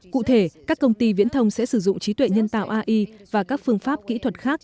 cụ thể các công ty viễn thông sẽ sử dụng trí tuệ nhân tạo ai và các phương pháp kỹ thuật khác